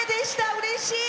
うれしい。